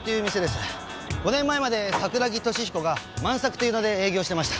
５年前まで桜木敏彦が万さくという名で営業してました。